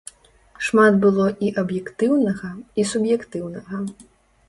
Шмат было і аб'ектыўнага, і суб'ектыўнага.